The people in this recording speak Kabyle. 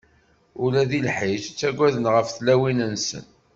Ula deg lḥiǧ ttagaden ɣef tlawin-nsen!